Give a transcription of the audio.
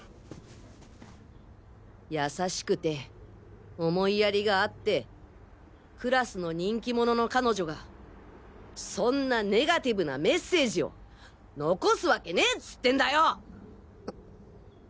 優しくて思いやりがあってクラスの人気者の彼女がそんなネガティブなメッセージを残すわけねぇっつってんだよ！